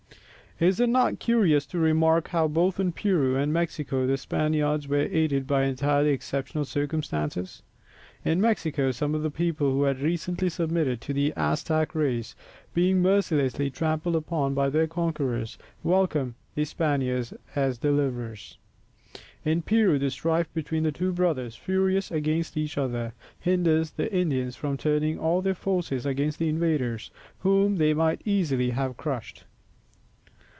Is it not curious to remark how both in Peru and Mexico the Spaniards were aided by entirely exceptional circumstances? In Mexico some of the people who had recently submitted to the Aztec race, being mercilessly trampled upon by their conquerors, welcome the Spaniards as deliverers; in Peru the strife between two brothers, furious against each other, hinders the Indians from turning all their forces against the invaders whom they might easily have crushed.